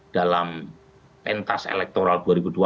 dalam pentas elektoral